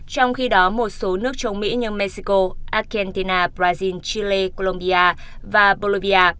trong khi đó một số nước châu mỹ như mexico argentina brazil chile colombia và bolivia